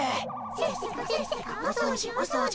せっせかせっせかお掃除お掃除。